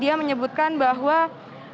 dengan menyebarkan kebohongan atas kasusnya yaitu